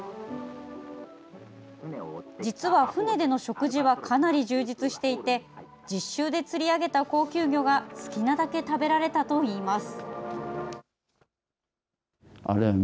実は、船での食事はかなり充実していて実習で釣り上げた高級魚が好きなだけ食べられたといいます。